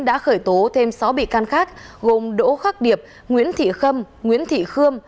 đã khởi tố thêm sáu bị can khác gồm đỗ khắc điệp nguyễn thị khâm nguyễn thị khương